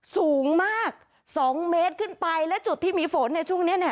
สูงมากสองเมตรขึ้นไปและจุดที่มีฝนเนี่ยช่วงเนี้ยเนี่ย